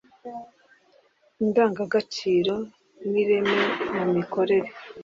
Indangagaciro n ireme mu mikorere